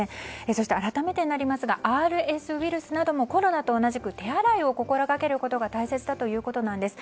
そして、改めてになりますがＲＳウイルスなどもコロナと同じく手洗いを心がけることが大切だということなんです。